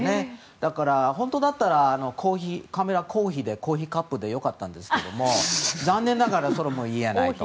だから本当ならカミラコーヒーでコーヒーカップでよかったんですけど、残念ながらそれも言えないと。